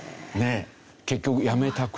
結局。